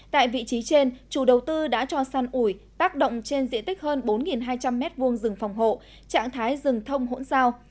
tại vị trí trên chủ đầu tư đã cho săn ủi tác động trên diện tích hơn bốn hai trăm linh m hai rừng phòng hộ trạng thái rừng thông hỗn sao